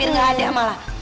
nah ini nih